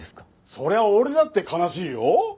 そりゃ俺だって悲しいよ？